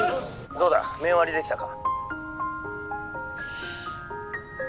☎どうだメン割りできたか？